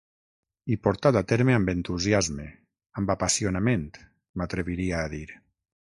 I portat a terme amb entusiasme, amb apassionament, m'atreviria a dir.